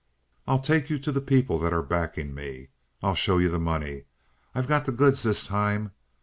I'll take you to the people that are backing me. I'll show you the money. I've got the goods this time.